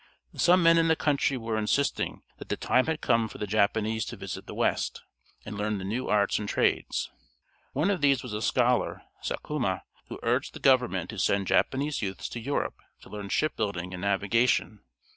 Some men in the country were insisting that the time had come for the Japanese to visit the West, and learn the new arts and trades. One of these was a scholar, Sakuma, who urged the government to send Japanese youths to Europe to learn shipbuilding and navigation.